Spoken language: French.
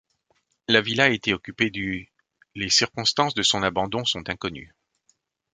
La villa été occupée du les circonstances de son abandon sont inconnues.